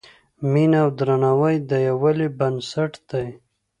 مینه او درناوی د یووالي بنسټ دی.